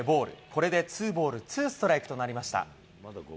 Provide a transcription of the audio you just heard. これでツーボールツーストライクとなりました。